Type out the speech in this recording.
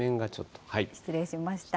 失礼しました。